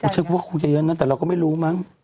ใช่ควรคุยเยอะแหร่งแต่เราก็ไม่รู้มั้ง